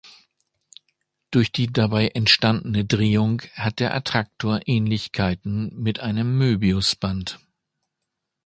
Durch die dabei entstandene Drehung hat der Attraktor Ähnlichkeiten mit einem Möbiusband.